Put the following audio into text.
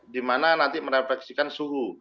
di mana nanti merefleksikan suhu